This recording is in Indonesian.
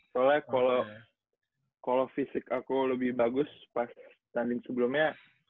soalnya kalau fisik aku lebih bagus pas tanding sebelumnya